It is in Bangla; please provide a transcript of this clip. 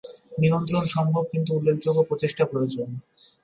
নিয়ন্ত্রণ সম্ভব কিন্তু উল্লেখযোগ্য প্রচেষ্টা প্রয়োজন।